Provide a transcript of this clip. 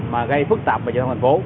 mà gây phức tạp về trận đấu thành phố